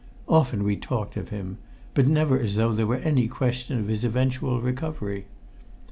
Often we talked of him, but never as though there were any question of his eventual recovery.